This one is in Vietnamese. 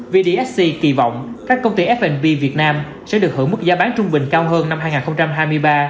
vdsc kỳ vọng các công ty f b việt nam sẽ được hưởng mức giá bán trung bình cao hơn năm hai nghìn hai mươi ba